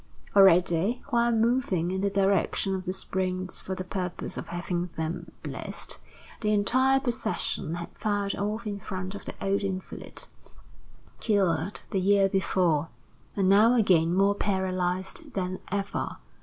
Already, while moving in the direction of the springs for the purpose of having them blessed, the entire procession had filed off in front of the old invalid, cured the year before, and now again more paralyzed than ever.